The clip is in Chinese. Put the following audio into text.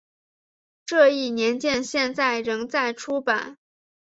这一年鉴现在仍在出版。